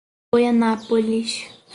Goianápolis